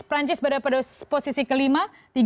perancis berada pada posisi kelima